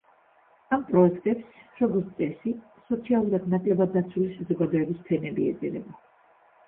ამ პროექტებს, როგორც წესი, სოციალურად ნაკლებად დაცული საზოგადოების ფენები ეწირება.